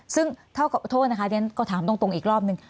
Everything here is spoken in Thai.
ซึ่งเท่ากับโทษนะคะเดี๋ยวก็ถามตรงอีกรอบหนึ่ง